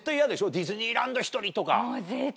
ディズニーランド一人とか。